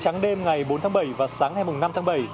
trắng đêm ngày bốn tháng bảy và sáng ngày năm tháng bảy